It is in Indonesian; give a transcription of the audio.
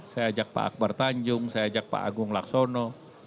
saya ajak pak akbar tanjung saya ajak pak agung laksono